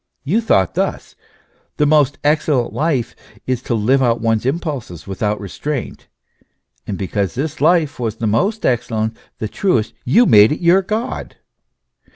You thought thus: the most excellent life is, to live out one's impulses without restraint ; and because this life was the most excellent, the truest, you made it your God.